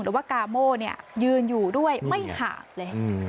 ว่ากาโม่ยืนอยู่ด้วยไม่หาดเลย